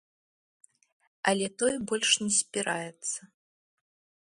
Але той больш не спіраецца.